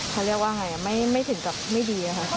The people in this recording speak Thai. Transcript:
เขาเรียกว่าไงไม่ถึงกับไม่ดีค่ะ